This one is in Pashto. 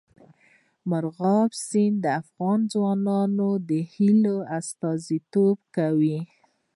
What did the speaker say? مورغاب سیند د افغان ځوانانو د هیلو استازیتوب کوي.